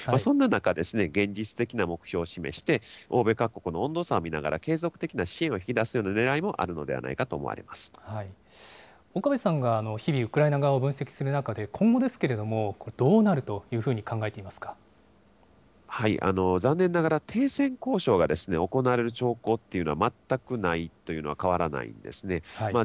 そんな中、現実的な目標を示して、欧米各国の温度差を見ながら、継続的な支援を引き出すようなねらいもあるのではないかと思われま岡部さんが日々、ウクライナ側を分析する中で、今後ですけれども、どうなるというふうに考え残念ながら、停戦交渉が行われる兆候というのは全くないというのは変わらないんですね。